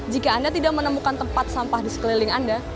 jika anda tidak menemukan tempat sampah di sekeliling anda